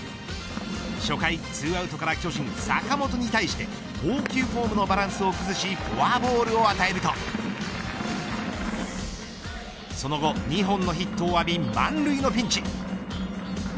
初回２アウトから巨人、坂本に対して投球フォームのバランスを崩しフォアボールを与えるとその後、２本のヒットを浴び満塁のピンチ。